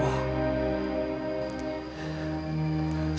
saya tidak bisa menjaga kamu